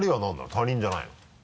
他人じゃないの？